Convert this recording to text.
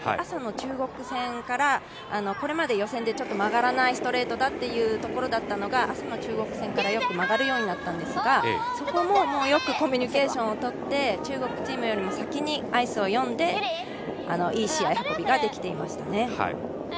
朝の中国戦からこれまで予選でちょっと曲がらないストレートだっていうところが朝の中国戦からよく曲がるようになったんですがそこもよくコミュニケーションをとって、中国チームより先にアイスを読んでいい試合運びができていましたね。